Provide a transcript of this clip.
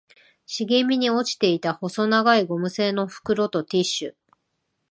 茂みに落ちていた細長いゴム製の袋とティッシュ